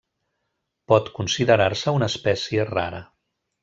Pot considerar-se una espècie rara.